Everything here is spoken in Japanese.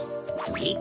えっ！